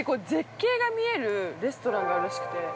絶景が見えるレストランらしくて。